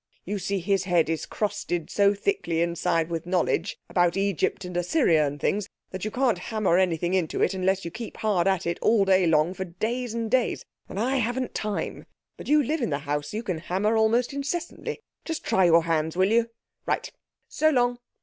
You see, his head is crusted so thickly inside with knowledge about Egypt and Assyria and things that you can't hammer anything into it unless you keep hard at it all day long for days and days. And I haven't time. But you live in the house. You can hammer almost incessantly. Just try your hands, will you? Right. So long!"